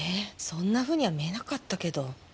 そんなふうには見えなかったけど。